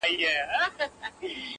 • اوښکي نه راتویومه خو ژړا کړم_